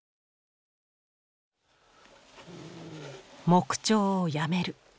「木彫をやめる」。